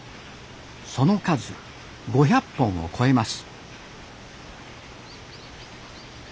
その数５００本を超えます